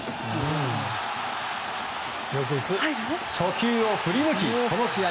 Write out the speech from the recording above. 初球を振り抜きこの試合